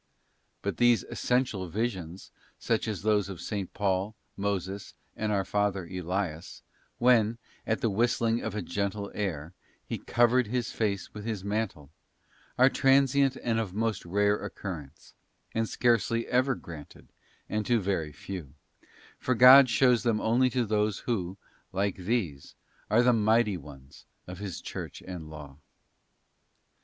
But these Essential Visions, such as those of 8. Paul, Moses, and our father Elias, when, at the whistling of a gentle air, he ' covered his face with his mantle,' t are transient and of most rare occurrence, and scarcely ever granted, and to very few; for God shows them only to those who, like these, are the mighty ones of His Church and Law.